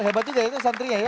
hebat juga itu santrinya ya